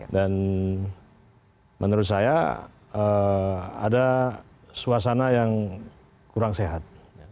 dan menurut saya ada suasana yang kurang sehat